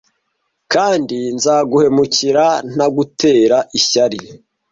kandi nzaguhemukira ntagutera ishyari